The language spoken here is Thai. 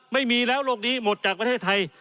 ไม่มีแล้วโลกนี้หมดจากประเทศไทย